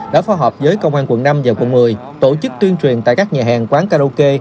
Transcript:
đã phối hợp với công an quận năm và quận một mươi tổ chức tuyên truyền tại các nhà hàng quán karaoke